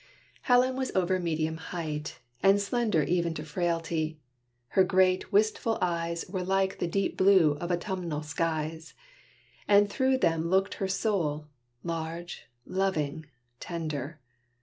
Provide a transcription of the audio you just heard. Helen was over medium height, and slender Even to frailty. Her great, wistful eyes Were like the deep blue of autumnal skies; And through them looked her soul, large, loving, tender.